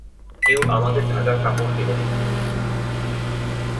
কেউ আমাদের ঢাকার কাপড় এনে দিবে।